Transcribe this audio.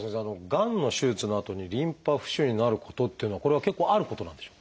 がんの手術のあとにリンパ浮腫になることっていうのはこれは結構あることなんでしょうか？